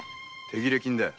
手切れ金だよ。